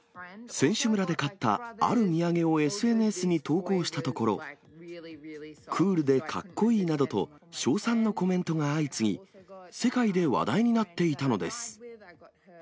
選手村で買ったある土産をＳＮＳに投稿したところ、クールでかっこいいなどと、称賛のコメントが相次ぎ、世界で話題になっていたのです。